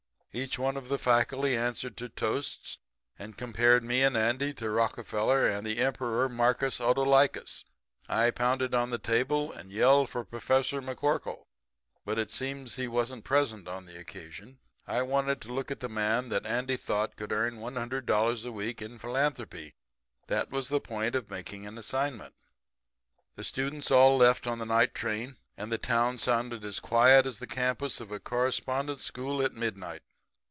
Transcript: Each one of the faculty answered to toasts, and compared me and Andy to Rockefeller and the Emperor Marcus Autolycus. I pounded on the table and yelled for Professor McCorkle; but it seems he wasn't present on the occasion. I wanted a look at the man that Andy thought could earn $100 a week in philanthropy that was on the point of making an assignment. "The students all left on the night train; and the town sounded as quiet as the campus of a correspondence school at midnight.